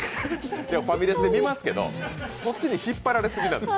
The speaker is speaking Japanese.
ファミレスで見ますけど、そっちに引っ張られすぎです。